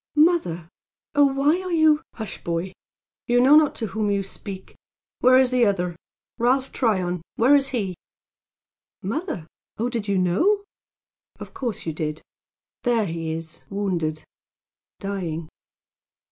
"Mother! Oh, why are you " "Hush, boy! You know not to whom you speak. Where is the other Ralph Tryon? Where is he?" "Mother! Oh, did you know? Of course you did. There he is, wounded dying."